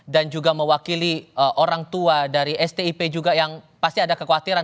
dan juga mewakili orang tua dari stip juga yang pasti ada kekhawatiran